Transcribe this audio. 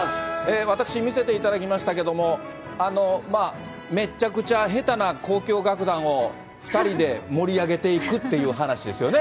私、見せていただきましたけども、まあ、めっちゃくちゃ下手な交響楽団を２人で盛り上げていはい。